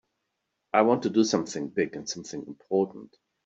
I want to do something big and something important.